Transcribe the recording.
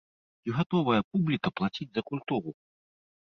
Ці гатовая публіка плаціць за культуру?